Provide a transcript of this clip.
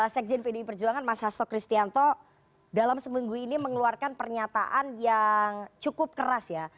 sekjen pdi perjuangan mas hasto kristianto dalam seminggu ini mengeluarkan pernyataan yang cukup keras ya